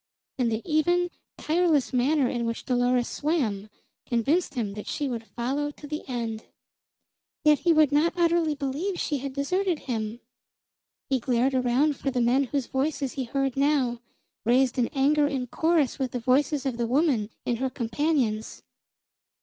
And the even, tireless manner in which Dolores swam convinced him that she would follow to the end. Yet he would not utterly believe she had deserted him. He glared around for the men whose voices he heard now, raised in anger in chorus with the voices of the woman and her companions.